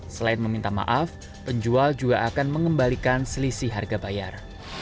selain meminta maaf penjual juga akan mengembalikan selisih harga bayar